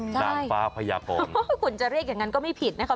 นางฟ้าพญากรคุณจะเรียกอย่างนั้นก็ไม่ผิดนะคะ